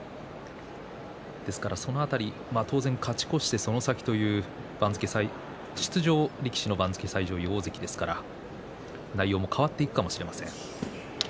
ですから、その辺り当然、勝ち越して出場力士の番付最上位大関ですから内容も変わってくるかもしれません。